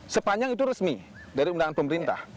sepanjang itu resmi dari undangan pemerintah